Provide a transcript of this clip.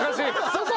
そこ！